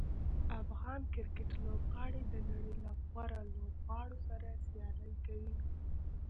افغان کرکټ لوبغاړي د نړۍ له غوره لوبغاړو سره سیالي کوي.